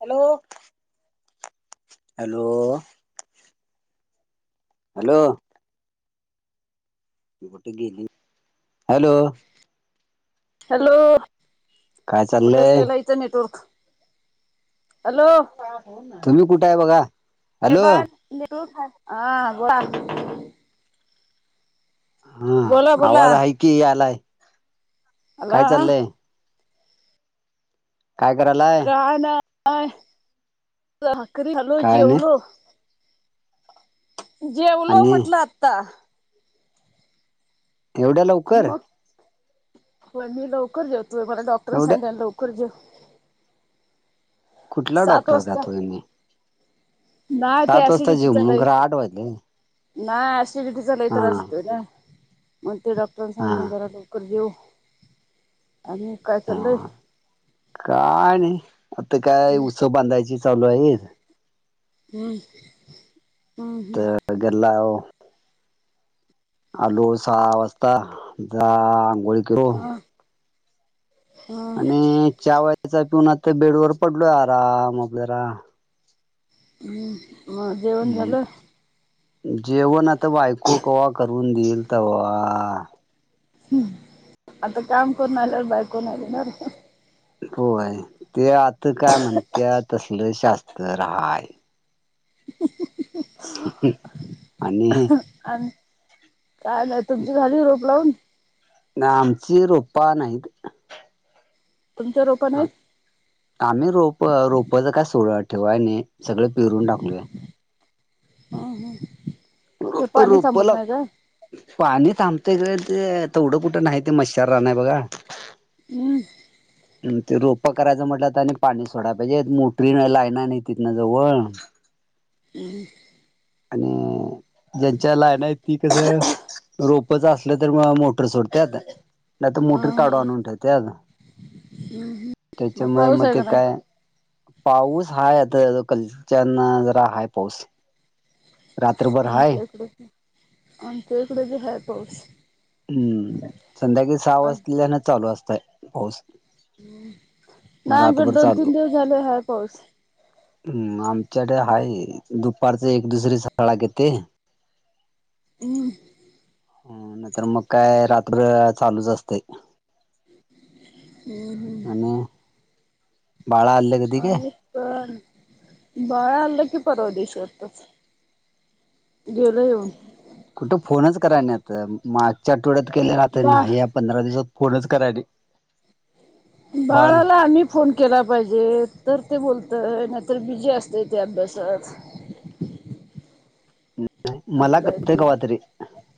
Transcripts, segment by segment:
Hello hello hello कुठे गेली hello hello काय कुठ चाललंय गेला नेटवर्क हॅलो हे तुम्ही कुठे आहे बघा हॅलो बाळ नेटवर्क आहे हा हा बोला बोला आवाज आहे कि यालाय हेलो काय करालाय काय नाकरी हलो काय नाही जेवलो जेवलो आणि म्हटलं आत्ता एवढ्या लवकर हो मी लवकर जाे तु मला डॉक्टरां एवढ्या सांग लवकर जाे कुठला सात डॉक्टर काातोय मी ना ते सिडिटी जेव म्हणून तरलय खरं आठ वाजले नाही सिडिटीचा लई हा त्रास होतोय ना मग ते डॉक्टरां हा सांग जरा लवकर येऊ आणि काय हा चाललंय काय नाही आता काय हम्म उत्सव बांधायची चालू आहे हो तर गला आलो सहा वाजता जा आंघोळी कर हम्म हा हा आणि चावचा पिऊून आता बेड वर पडलो या राम आपल्या रा मग जेवण हम्म. झालं जेवण आता बायको कवा्हा करून देईल त वा ह् आता काम करून आल्यावर बायकून आलीणार होय ते आता काय म्हणते तसल शास्त्र राहाय आणि आणि काय नाही तुमची झाली रोप लावून आमची रोपा नाहीत तुमच्या रोकण आहेत आम्ही रोप रोपच काय सोड ठेवाय नाही सगळं पिरून टाकलूय ह हा रुपला पाणी थांबतेय का ते तेवढं कुठं नाही ते मच्छर रा नाही बघा हं [inaudible] ते रोपं करायचं म्हटलंत आणि पाणी सोडाय पाहिजे मोटरी लाईना नाही त ना जवळ आणि ज्यांच्या लाईन आहेत ती कसं रोपच असलं तर म मोटर सोडते आता नाही आता मोटर हं, काढवा हं. म्हठय ते मग त्याच्यामुळे पाऊस म आहे ते का नाही काय पाऊस आहे आता कलच्या जरा हाय पाऊस रात्रीभर अमच्याकडे अमच्या इकडे भी आहे पाऊस. हम्म संध्याकाळी सहा आणि- वाजलेल्यान चालू असतय. पाऊस मग नाही आमच्याकडे रातभर दोन चालू. तीन दिवस झाले आहे पाऊस हम् आमच्याकडे आहे दुपारच एक दुसरी सळा घेते. इंगिंग [unintelligible] हम्म नाही तर मग काय रात्र चालूच असते. हम् हम. आणि बाळा अल् ग आणि पण बाळा आलं की परवा दिवशी आता च गेलो येऊन. कुठं फोनच कराय नाही आता मागच्या आठोड्यात केले आत बा नाही. पंधरा दिवसात फोनच करायला नाही. बाळ बाळला आम्ही. फोन केला पाहिजे तर ते बोलतंय नाहीतर बिजी असतें ते अभ्यासात मला असल आहे करते ते कव तरी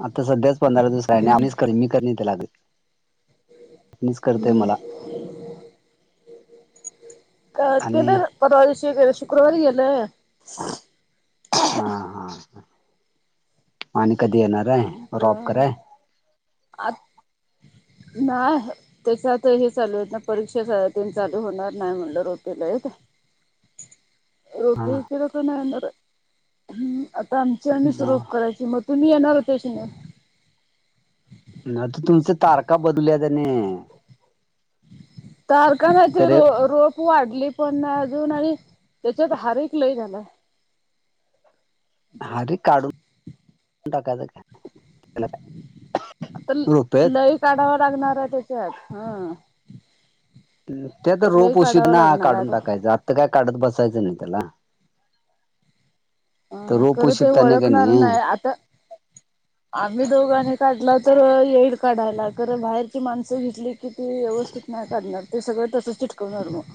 आता सध्याच पंधरा दिवस राहि आम्च हम्म करन मी करणे ते लागे. हम् क कीध आणि परवा दिवशी गेलं शुक्रवारी गेलं. हा हा आणि कधी येणार आहे रॉपकरय आ नाह. त्याच्यात हे चालू आहेत ना परीक्षा ते चालू होणार नाही म्हणलं र यात [unintelligible] रोपवे तर नाही येणार हम् आता आमची आमच रोप मग करायची म तुम्ही येणार होते शिंग नाही तर तुमच तारख बदलल्या त्याने तारखा कायचे तर रो रोप ख वाढली पण अजून आणि त्याच्यात हारिक लय झाला. हरी काढून टाकायचं काय. त्याला काय तर रोप आहेत लई काढावा लागणार आहे त्याच्यात हा त्या तर लई रोप काढावा उशीतण लागणार काढून आहे आता टाकायचं आत्ता काय काढत बसायचं नाही त्याला अ त रोपो खरं ते शता नाही का ओळखणार नाही [unintelligible] आता आम्ही दोघांनी काढला तर येईल काढायला तर बाहेरची माणसं घेतली. किती व्यवस्थित नाही काढणार ते सगळं तसच चिटकवणार मग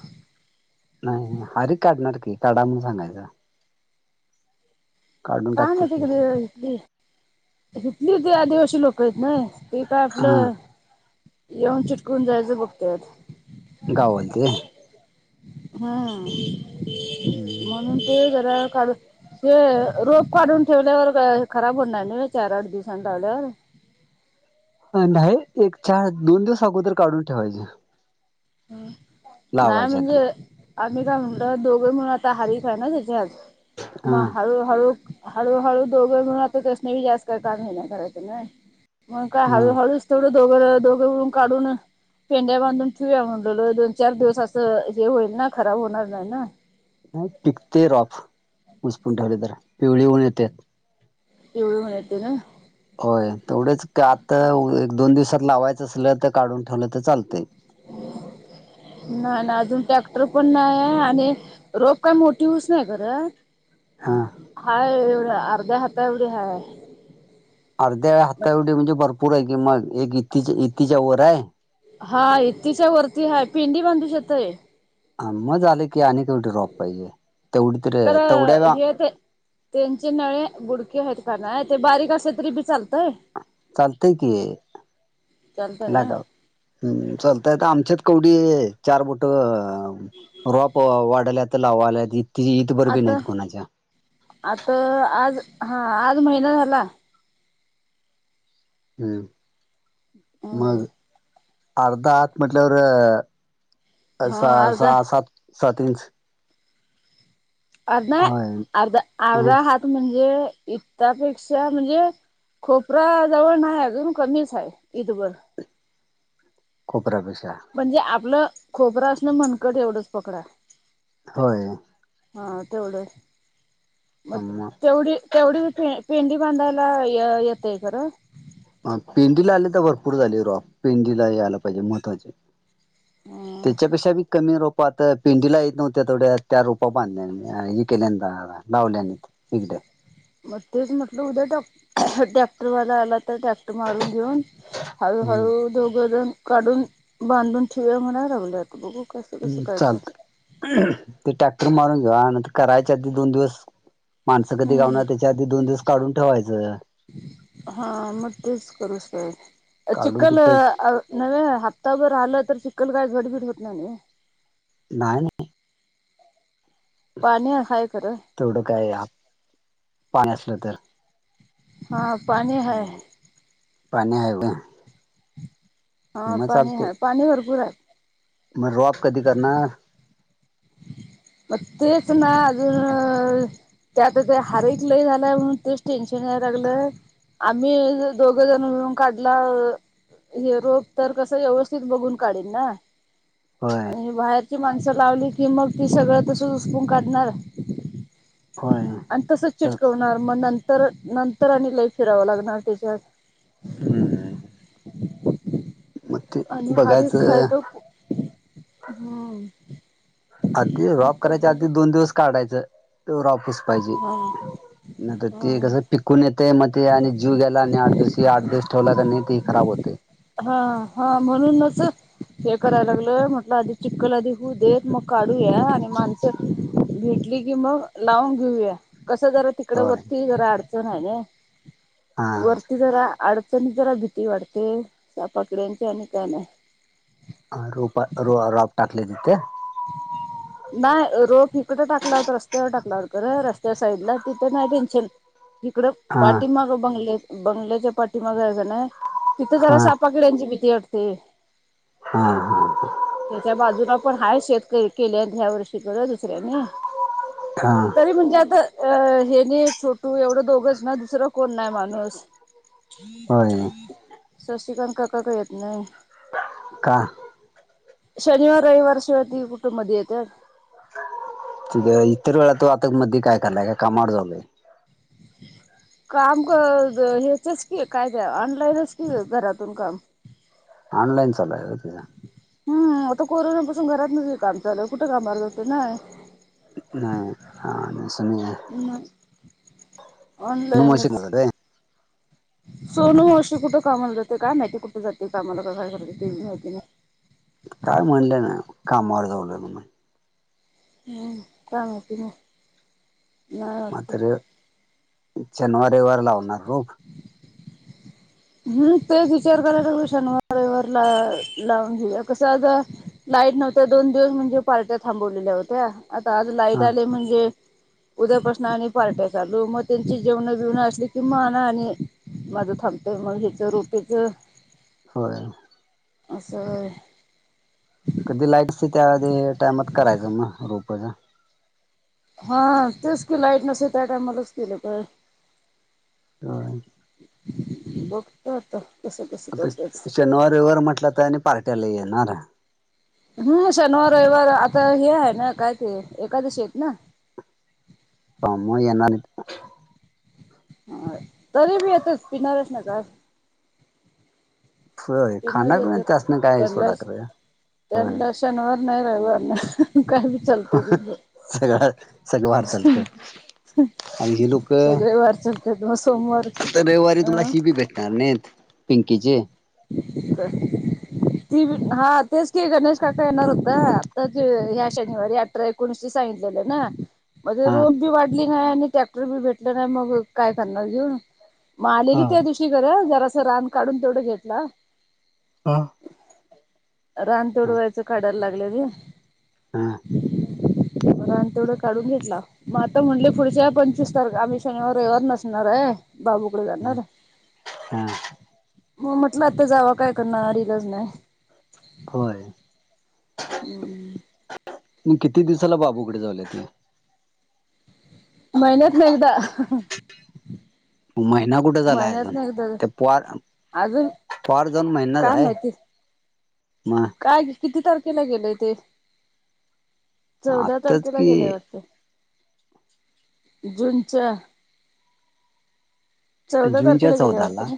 नाही नाही हरी काढणार की काढा म्हणून सांगायच. काढून काय टाकते माहिती ते कथ इथली, इतली ते आदिवाशी लोक आहेत ना, इत हा आपलं येऊन चिटकून जायचं बघतोय. गाववालती. हा हम्म म्हणून ते जरा काढु ते रोप काढून ठेवल्यावर खराब होणार नाही चार आठ दिवसांनी लावल्यावर नाही एक चार दोन दिवस अगोदर काढून ठेवायचे. नाय लावायच्या आधी म्हणजे. आम्ही काय म्हणतो दोघं म्हणून आता हारी चा हाय ना त्याच्यात हा मग हळू हळू हळूहळू दोघं म्हणून आता तस नही जास् का कामही नाही करायचं नाही मग काय हा हळूहळूच तेवढं दोघं दोघं उून काढून पेंड्या बांधून ठेवू म्हणल दोन चार दिवस असं जे होईल ना खराब होणार नाही ना, पिकते रॉफ उसचपून ठेवले तर पिवळी होऊन येते. पिवळी होण येतेना. होय तेवढेच कि आता एक दोन दिवसात लावायचं असल तर काढून ठेवलं तर चालतंय. [inaudible] नाही ना अजून टॅक्टर पण नाही आहे आणि रोप काय मोठी होऊस नाही घरं हां हाय एवढ्या अर्ध्या हाता एवढे हाय अर्ध्या व हाता येव्हडी म्हणजे भरपूर आहे की मग एक इतीच्या इतीच्या वर आहे हा इतीिच्या वरती हय प पेडी बांधू शकतोय हा मज आलं की अक एवढी र्रॉप पाहिजे तेवढी तरी खर तेवढ्या हे ते त्यांचे नळे बुडके आहेत का नाही ते बारीक असे तरी बी चालतय चालतय की चालत तेला ना का हम्म चालताय तर आमच्यात कवडी चार बोट रॉप वाढल्यात लावाल्यात इती इतभरभी आता नाहीत कुनाच्यात कोणाच्या आता आज हा आज महिना झाला हम् मग अर्धा आात म्हटल्यावर हा सहा अर्धा सात सात सात हर्च अर् नाही होय अर्धा अ अर्धा हात म्हणजे इतापेक्षा म्हणजे खोपरा जवळ नाही अजून कमीच आहे इथभर खोपरापेक्षा म्हणजे आपलं खोपरं असणमणकट एवढंच पकडा होय हा तेवढं मग तेवढी तेवढी पेंडी बांधायला येतय गरं ह पेंडीला आले तर भरपूर झाले रॉफ पेंडीला आली पाहिजे महत्वाची त्याच्यापेक्षा ब कमी रोप पाथळ पिंडीला येत नव्हत्या तेथोड्या त्या रोपा बांधल्या आम्ही लावल्यात एकडे मग तेच म्हटलं उद्या ट टॅक्टरवाला आला तर टॅक्र ट्राक्टर मारून घेऊन हम्म हळूहळू दोघंजण काढून बांधून ठेवुया म्हणा लागल्यात बघु काय ह् काय चालत ते टॅक्टर मारून जा नंतर करायच्या अधी दोन दिवस माणसं कधी घावणार हम्म त्याच्या आधी दोन दिवस काढून ठेवायचं हा म तेच करुस काढून चिखल तिथं नव्हे हप्ताभर राहिलं तर चिक्ल काय घरबीट होत नाय नव्ह नाही नाही पाणी हाय खरं तेवढं काय पाणी असलं तर हा पाणी हाय पाणी हाय व्हय हा पाणी हाय पाणी भरपूर हाय म रॉप कधी करणार मेच ना अजून त्यात ते हारइक लय झालंय म्हणून तेच टेन्शन यालला लागलं आम्ही दोघ जण मिळून काढलाव हे रोप तर कसं व्यवस्थित बघून काढेन ना होय आणि मग बाहेरची माणसं लावली की मग ती सगळं तस उसकून काढणार होय आणि तसच तर चिटकवून मग नंतर नंतर आणि लई फिराव लागणार त्याच्यात हम्म मग ते आणि बघायचं हम्मं आधी रॉप करायच्या आधी दोन दिवस काढायचं रॉपस पाहिजे हा न तर ते हा कसं पिकून येतय म ते आणि जीव गेला आणि आठ दिवस या आठ दिवस ठेवला क नाही ती खराब होतय हा हा म्हणूनच हे करायला लागलंय म्हटलं आधी चिक्खल आधी होऊ देत मग काढूया आणि माणसं भेटली की मग लावून घेऊया कस जरा तिकड होय वरती जरा अडचण आहे नाही हा वरती जरा अड तेन जरा भीती वाढते सापाकिड्यांची आणि काय न्हाय अ रोप र रॉप टाकले तिथे नाय रोप इकडं टाकला हुता रस्त्यावर टाकला हुता रस्त्या साईडला तिथं नाय टेन्शन हिकडं पाठीमागं बंगल्या- बंगल्याच्या पाठीमाग क नाय तिथं हा जरा साप किड्यांची भीती वाटते हा हा त्याच्या बाजूला पण हाय शेत केल्यात ह्या वर्षी खरं दुसऱ्यानी हां तरी म्हणजे आता अहेनी छोटू एवढं दोघंच ना दुसरं कोण नाही माणूस होय शशिकांत काका काय येत न्हाय का? शनिवार रविवार शिवाय ती कुठ मधी येत्यात [inaudible] [unintelligible] इतर वेळा तो आता मध्ये काय करलाय काय कामावर चालाय काम [unintelligible] ह्याचच की काय ते ऑनलाईनच की घरातून काम ऑनलाईन चालू हाय व्हय तेच हम्म आता कोरोनापासून घरातनचं की काम चालुय कुठं कामाला जातोय नाय नाही ह नसेना घ्या म मावशी ऑनलाइनच काय सोनू मावशी कुट कामाला जात्या काय माहिती कुट जात्या कामाला काय घरातचं ते बि माहिती नाही काय म्हणलं ना कामावर जाऊलं म्ह हम्म काय माहिती नाही नाही म आता वाटतं रो शनिवार रविवार लावणार रोप हम् तेच विचार कराय लागलोय शनवार रविवारला लावून घेऊया कसं आज लाईट नव्हत्या दोन दिवस म्हणजे पार्ट्या थांबवलेल्या होत्या आता आज लाईट हा आले म्हणजे उद्यापासनं आणि पार्ट्या चालू मग त्यांची जेवणं बिवणं असली की म आण आणि माझं थांब ते म हेच रोपे च होय अस होय कधी लाईट नसती त्या वेळी टायमात करायचं मग रोपाचं हा तेच की लाईट नसते त्या टायमालाचं केल तर [inaudible] बघतो आता कसं कसं आता करतेच शनवार रविवार म्हटलं तर आणि पार्ट्या लय येणार हम शनवार रविवार आता हे हाय ना काय ते एकादशी येत ना हा म येणार ह तरी बी येतात पिणाऱ्यांसानी काय होय पिनर खाणार नय त्यासनी काय सोडा खरं होय त्यांला शनवार नाय रविवार नाय सगळं सगळं वार चालत्यात आणि ही लोक सगळे वार चालतात मग सोमवार पुढच्या रविवारी तुला अ हि बी भेटणार नइत पिंकीची [inaudible] ती हा तेच की गणेश काका येणार हुतं आताच ह्या शनिवारी [unintelligible] कुणची सायकल आहे ना. मजे हा रोम बी वाढली नाय अणि टॅक्टर बी भेटला नाय मग काय करणार घेऊन. म आलेली हा त्या दिवशी घरं जरास रान काढून तेवढं घेतलं. हां रान तेवढं [unintelligible] काढायला लागलं हा क रान तेवढं काढून घेतला. म आता म्हणलं पुढच्या पंचवीस तारख आम्ही शनिवार रविवार नसणाराय बाबूकडं जाणार आहे. हम्म म म्हटलं आता जावा काय करणार इलाजच नाय. होय. हम्म म किती दिवसाला बाबूकडं जाऊन येते. महिन्यातनं एकदा. महिना कुठं झाला महिन्यात अजून ना एकदा ते पार अजून पॉर जाऊन महिनाच काय आहे, माहिती मग काय किती तारखेला गेलय ते चौदा आताच तारखेला गेलय कि वाटत. जुनच्या जुूनच्या चौदाला ना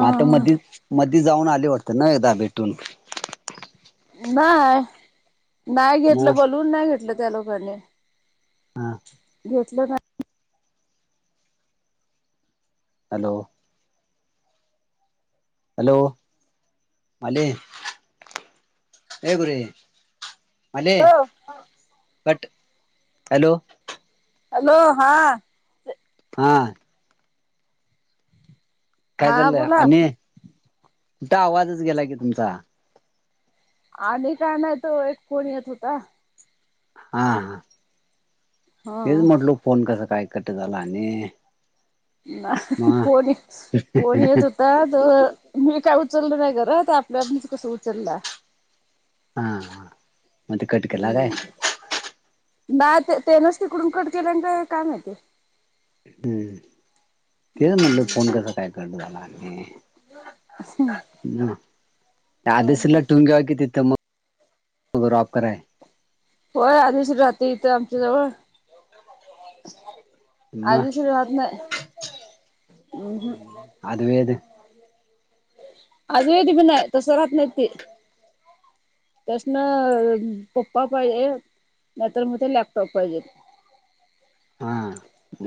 म आता मधीच मधी जाऊन आले वाटते ना एकदा भेटून नाय, नाय घेतलं मग बोलून नाही घेतलं त्या लोकांनी. हा घेतलं नाय. हॅलो... हॅलो माले ए पुरे आणि हॅलो कट हॅलो हॅलो हां हां काय हा चालंय बोला आणि कुठं आवाजच गेला कि तुमचा. आणि काय नाही तो एक फोन येत होता. हा हां तेच हा म्हटल फोन कस काय कट झाला आणि. मग फोन फोन येत होता. आता मी काय उचलला नाही खर तर आपल्याच कसं उचलला. हा हां हम्म बा ते त्यानच तिकडून कट केल्यान का काय माहित. हम्म तेच म्हटलं फोन कसा काय कट झाला. हम्म. ह आधिच ठेवून घ्यावा कि तिथं मग ऑफर हाय. होय आधीच राहते इथं आमच्या जवळ. मग आदेश राहत नाही ऊहु. अद्वैत अद्वेत पण नाही तसं राहत नाही ती. त्यासन पप्पा पाहिजे नाही तर मग ते लॅपटॉप पाहिजेत. हां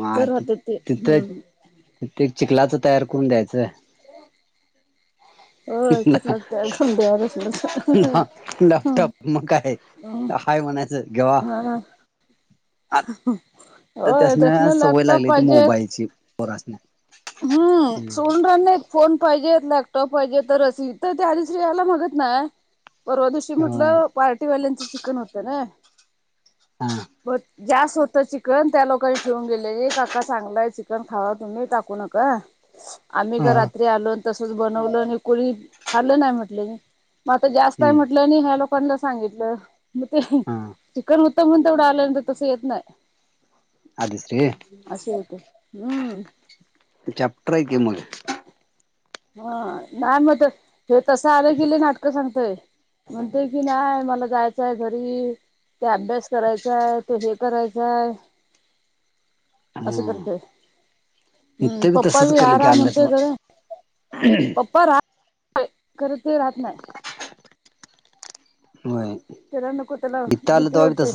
मग तर त राहते ते तिथं हम्म तिथे चिखलाच तयार करून द्यायचं. हो चिखलात घोंड्यावर असलं हा लॅपटॉप मग काय. काय म्हणायचं [unintelligible] आ हा आता होय त्यासनी सवय लॅपटॉप लागली ती पाहिजेत. मोबाईलची पोरासणी. हम्म सोडणार नाही. फोन पाहिजेत लॅपटॉप पाहिजे तरच अस तर त्याधिसरी यायला मागत नाही. परवा दिवशी हा म्हटलं पार्टीवाल्यांचं चिकन होतं ना. हम्म. बर. जास्त होतं चिकन त्या लोकांनी ठेवून गेले काका चांगला आहे चिकन खावा तुम्ही टाकू नका. [unintelligible] [inaudible] आम्ही का रात्री आलो तसच बनवलं आणि कुणी खालं नाही म्हटलं मी म आता जास्त हम्म म्हटलं आणि ह्या लोकांना सांगितलं मग ते- हां... चिकन होत म्हणुन तेवढं आल नाही तर तसं येत नाही- आलीस रे अस होत हम्म... चॅप्टर हाय की मग. हा नाही मग हे तसं आलं कि लय नाटकं सांगतय. म्हणते की नाही मला जायचंय घरी ते अभ्यास करायचाय तो हे करायचाय- असे हम्म. करतय हम्म इथं बी पापा तसंच बि आ करलं की राह आणलं म्हणतेय तवा घरी [unintelligible] पराह [unintelligible] खर ते राहत नाही होय... किराण कुतला इथं आलं भिती तवा बी वाडते.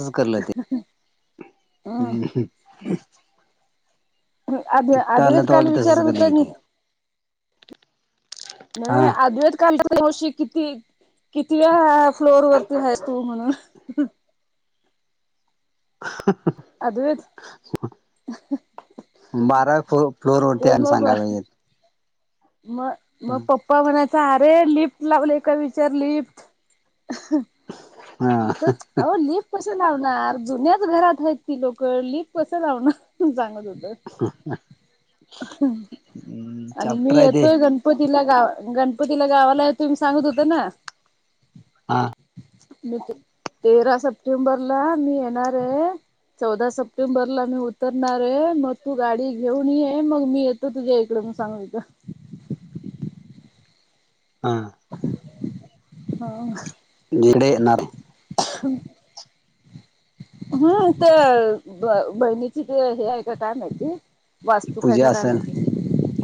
हम्. [unintelligible] हो आदवी आलं अद्वैत तवा काल बी विचारत तसंच होता करलं नी की ते नाही हा अधवेत काल नशी किती किती व्या फ्लोर वरती आहे तू म्हणून ह. अद्वैत [unintelligible] बाराव फलो फ्लोर वरती ते आणि मग सांगायला पाहिजे. मग मग पप्पा म्हणायचा अरे लिफ्ट लावले ए का विचार लिफ्ट. हा तच आव लिफ्ट कस लावणार जुन्याच घरात आहेत ती लोक लिप कसं लावणार सांगत होत आणि चॅप्टर मी आहे ते येतोय गण पतीला गा गणपतीला गावाला तुम्ही सांगत होत ना हा मी ते तेरा सप्टेंबरला मी येणार आहे चौदा सप्टेंबर ला मी उतरणार आहे मग तू गाडी घेऊन ये मग मी य त तुझ्या इकडें म्हणून सांगत हुत हा हा. [unintelligible] इकडं येणार? हा ते ब बहिणीची ते हे आहे का काय माहितीय वास्तूक हाय पूजा का काय असल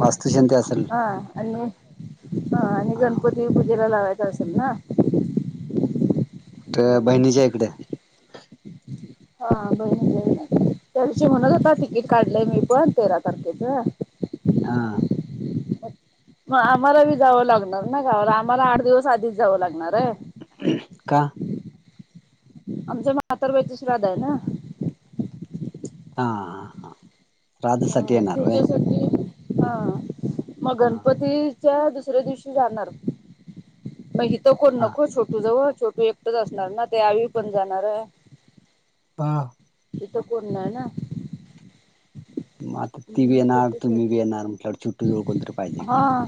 वास्तुशांती असल हा आणि हा आणि हा गणपती पूजेला लावायचा असेल ना त्या मग बहिणीच्या इकडे. हा बहीणच्या हिकडं, त्या दिवशी म्हणत होता तिकीट काढलंय मी पण तेरा तारखेच हा. मग आम्हाला बी जावं लागणार ना गावाला आम्हाला आठ दिवस आधीच जावं लागणार आहे. का? आमच्या म्हातार वैती श्राध आहे ना. हा हां हां. हा त्याच्यासाठी हा मग हा हा गणपती च्या दुसऱ्या दिवशी जाणार म हीत कोण नको छोटू जवळ छोटू एक असणार ना ते आवी पण जाणार आहे. बा हिथ कोण नाय ना. मग आता ती बी येणार तुम्ही बी त्याच्यासाठी येणार र छोटी जवळ कोणतरी पाहिजे की. हा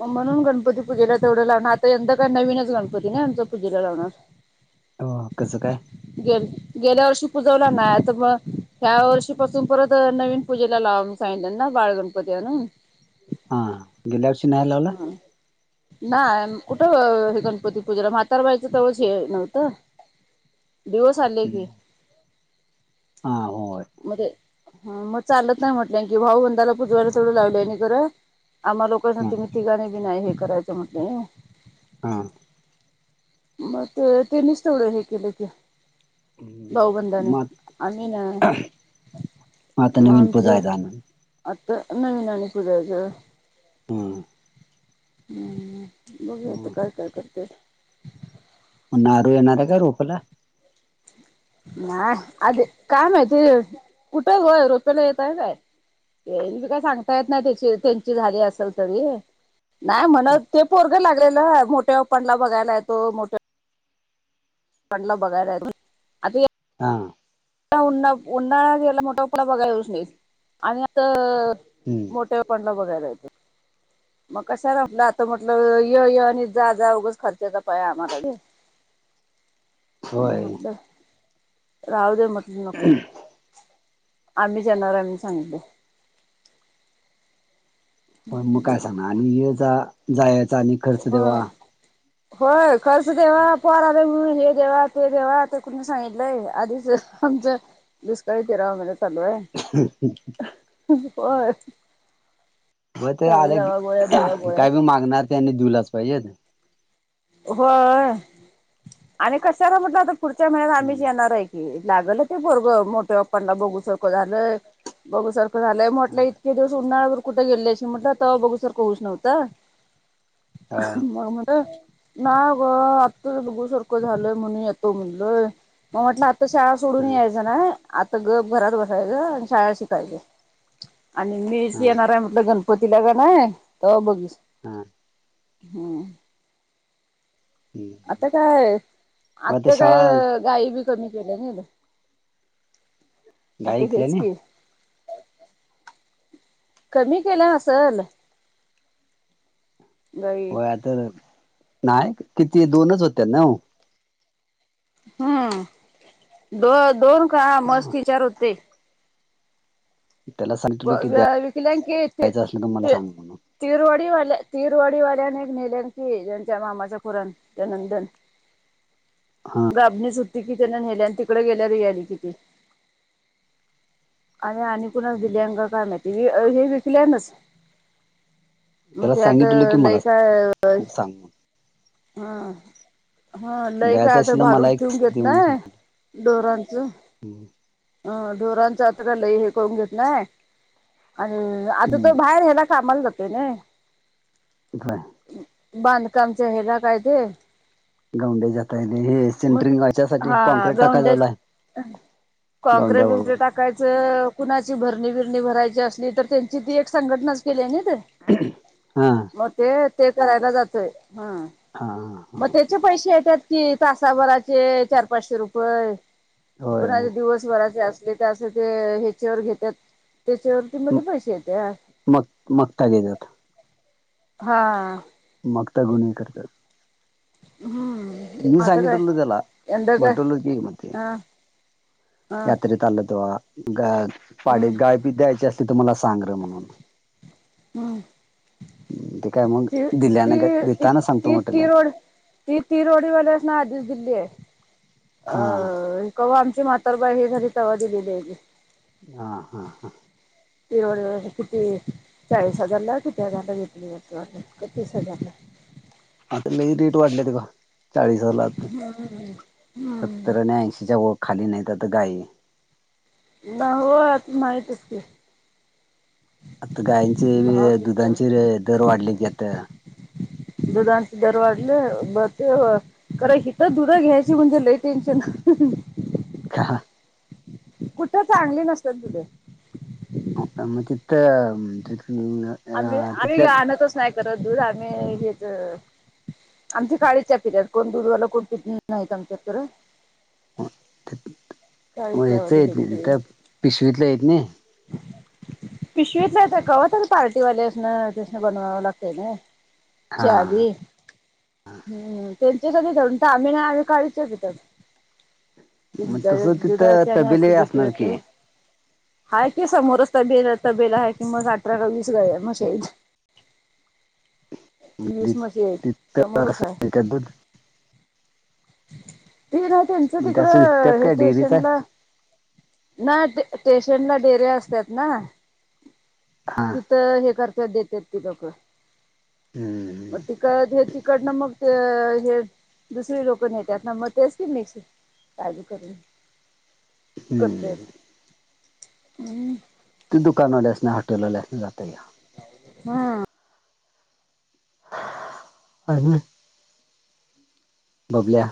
मग म्हणून गणपती पूजेला तेवढं लावणार आता यंदा काय नवीनच गणपती नाही आमं पूजेला लावणार. [unintelligible] हो कसं काय. गेल गेल्या वर्षी पूजवला नाही तर मग ह्या वर्षीपासून परत नवीन पूजेला लावून सांग ना बाळ गणपती आणून. हा गेल्या वर्षी नाही लावला. नाही कुठं हे गणपती पूजेला म्हातारवायचं तेवच हे नव्हतं. दिवस आले की हा होय मध्ये ह मग चालत नाही म्हटलं की भाऊ बंंदाला पुजवायला सवड लावले आणि कररं आम्हा लोकां हा तुम्ही तिघाणी बी नाही हे करायचं म्हटले. हा मग ते त्यांनीच तेथवडं हे केलं की, भाऊबंधाने मग आम्ही नाय. आता नवीन पूजाय जा मग. आता नवीन आणि पूजायच हम्म हम्म बघूया आता काय काय करते. मग नारू येणार आहे काय रोपला नाही आध काय माहिती कुठे व्हय रोपेला येतय काय ते मी काय सांगता येत ना ही त्याची त्यांची झाली असल तरी नाही म्हणत ते पोरगं लागलेलं मोठ्या पप्पानला बघायला येतो मोठ्या पप्पानला बघायला येतो. आधी हा उन्हा उन्हाळा घ्यायला मोठ्या पप्पाना बघायला येऊच नयेत आणि आता हम्म मोठ्या पप्पानला बघायला येते. मग कशा म्हटलं आता म्हटलं य य आणि जा जा उगंच खर्चचं पाहि आम्हाकडे [inaudible] म होय म्हटलं राहूदे म्हटलं नको आम्हीच येणार आहे म्हणून सांगितले. पण मग काय सांगणार आणि ये जा जायचं आणि खर्च होय देवा होय खर्च देवा परा हे देवा ते देवा ते कुणी सांगितलंय आधीच आमचं दुष्काळीत तेरावा महिना चालू आहे. होय व्हयं ते सगळी आले दवा गोळ्या दवा गोळ्या काय बी मागणार त्यांनी दिवलाच पाहिजे. होय आणि कशाला म्हटलं आता पुढच्या महिन्यात हम्म. आम्हीच येणार आहे. लागल ते पोरगं मोठ्या पप्पानला बघूसारखं झालंय बघूसारख झालाय म्हटलं इतके दिवस उन्हाळळावर कुठे गेले अस म्हटलं त बघूसारख होऊच नव्हतं. होय मग म्हण नाय अग आत्ता बघूसारखं झालंय म्हणुन येतो म्हणलय मग म्हटलं आता शाळा सोडून हा यायचं नाही आता गप घरात बसायचं आणि शाळा शिकायच. आणि मीच हा येणार आहे म्हटलं गणपती ला का नाही तवा बघ हम हम हा आता काय मग आता काय शाळा गाई बी कमी केल्या नाहीत. गाय आता हेच ऐकल्याने की कमी केला असल गाई काय तर नाही किती दोनच होत्या नव हम्म दो दोन का मस्त तीन चार होते. त्याला सांग ग ग विकलांकच मला सांग म्हणून तीरवाडीवाल्या तीरवाडी वाल्याने एक नेल्यान की ज्याच्या मामाच्या पोरानं त्या नंदन हा लाबणीच सुती की त्यांना नेल्या आणि तिकडे गेल्या रे याली किती आणि आणि कुणाला दिल्या अ का काय माहिती हे विकल्याच मग त्याला ते आता सांगितलं की लय मला का सांग म्हणून हा हा लई काय द्यायचं आता असल मला भारूक एक ठेवून घेत दे म्हणून नाही डोरांचं सांगितलं अं ढोरांच अत्र लय हे करून घेत नाही. आणि आता हम्म तो बाहेर ह्यायला कामाला जातोय नाही [unintelligible] बांधकामच्या हेला काय ते गौंडे जाताय हे मग सिंटरिंग यासाठी हा कॉँक्रीट टाकाजवलाय कँक्रे ब कायच कुणाची भरणी बिरणी भरायची असली तर त्यांची ती एक संघटनाच केली आहे ना ते हा मग ते ते करायला जातय ह हा हा हा पैसे येतात की तासाभराचे चार पाचशे रुपये प होय दिवस श्वराचे असले अस ते ह्याच्यावर घेतात त्याच्यावरती मध्ये पैसे येते मग मगता घेेतात हा मगता गुणे् करतात हम्म मी आता काय सांगितल त्याला यंदा काय म्हटवल की म ते हा हा यात तलतवा ग हम्म पाडत गायपीत द्यायची असली त मला सांग र म्हणून हम्म तेठी काय मग ती दिल्याने ती देताना सांगतो ती ती म्हटल्या रोड ती तीरोडीवाली अस ना आधीच दिल्ली आहे हा अ कव आमची मातरबाई हे घरी तवा दिलेली आहेची हा हा हा ि किती चाळीस हजारला किती हजारला घेतली ततीस हजारला [inaudible] हा तर मी रेट वाढले ते का चाळीस हला हम्म. सत्तर आणि ऐंशी च्या वोट खाली नाही तर तर गाई ना हो आ त माहितच की आता गायंची भाव दुधाची घेत्यात दर वाढले क आता दुधांस दर वाडले बते खर हिथं धुडं घ्यायची म्हणजे लय टेन्शन ख कुठं चांगली नसतात तुझे म तित आम्ही आम्ही घ आणतोच नाही करत दूध आम्ही घेत आमची काळीच्या पिर्यात कोण दुधवाला कोण पि नाहीत आमच्या तर काळी येत चहावाले आहेत त सगळे. त्या पिसवीटला येत नाही [inaudible] पिशवीतला कावता पार्टीवाल्या अस तसन बनवावं लागत ना हा चवी हम्म त्यांच्यासाठी जाऊून तर आम्ही नाही आम्ही काळीच्या मग तस तिथं दुधाची आणि तबेले ऍसिडिटी असणार की होते. हाय की समोरच तबेल तबेला हाय की मग अठरा का वीस गाया म्हशी हाईत. वीस म्हशी आहेत समोरच आहे [inaudible] ते ना त्यांच म्हणजे असं विकतात तिकडं हे काय डेअरीच आहे स्टेशनला ना ते स्टेशनला डेऱ्या असतात ना हा तिथं हे करत्यात देत्यात ती लोक हूं म तिकड हे तिकड ना मग ते हे दुसरी लोक नेत्यात ना मग तेच की मिक्स ताज करून हम्म. करतेत हम् त दुकानवाल्या असणार हॉटेलवाल्या असणार जात या हा आणि बबल्या